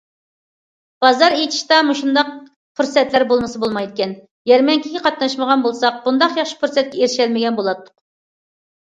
بازار ئېچىشتا مۇشۇنداق پۇرسەتلەر بولمىسا بولمايدىكەن، يەرمەنكىگە قاتناشمىغان بولساق، بۇنداق ياخشى پۇرسەتكە ئېرىشەلمىگەن بولاتتۇق.